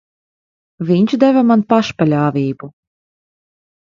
Viņš deva man pašpaļāvību.